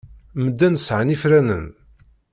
Medden sɛan ifranen.